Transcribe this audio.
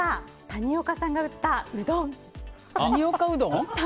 谷岡さんが打つうどん